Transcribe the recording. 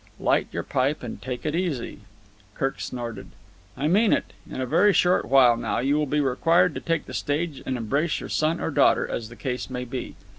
"Light your pipe and take it easy." Kirk snorted. "I mean it. In a very short while now you will be required to take the stage and embrace your son or daughter, as the case may be.